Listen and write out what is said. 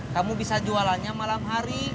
kamu bisa jualannya malam hari